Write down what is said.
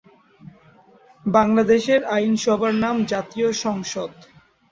বাংলাদেশের আইনসভার নাম জাতীয় সংসদ।